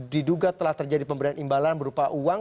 diduga telah terjadi pemberian imbalan berupa uang